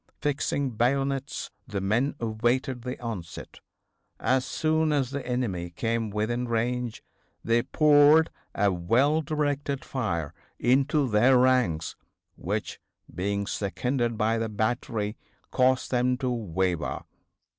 Fixing bayonets the men awaited the onset. As soon as the enemy came within range they poured a well directed fire into their ranks which, being seconded by the battery, caused them to waver.